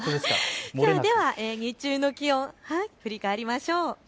では日中の気温振り返りましょう。